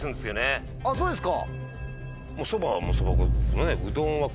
あっそうですか。